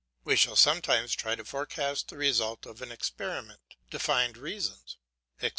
We shall sometimes try to forecast the result of an experiment, to find reasons, etc.